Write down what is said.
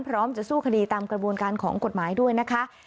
พร้อมจะสู้คดีตามกระบวนการของกฎหมายด้วยนะคะ